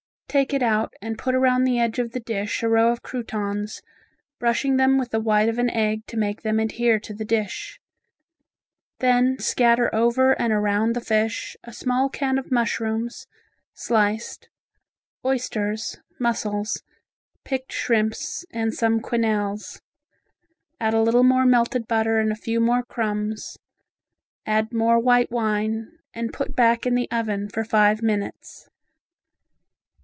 Take it out and put around the edge of the dish a row of croutons, brushing them with the white of an egg to make them adhere to the dish. Then scatter over and around the fish, a small can of mushrooms, sliced, oysters, mussels, picked shrimps and some quenelles. Add a little more melted butter and a few more crumbs, add more white wine and put back in the oven for five minutes.